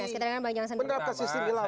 penerbakan sistem hilafah